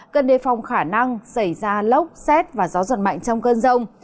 cần đề phòng khả năng xảy ra lốc xét và gió giật mạnh trong cơn rông